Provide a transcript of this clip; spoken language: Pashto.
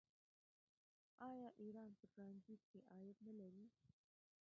آیا ایران په ټرانزیټ کې عاید نلري؟